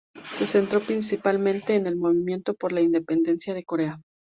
Se centró principalmente en el Movimiento por la independencia de Corea.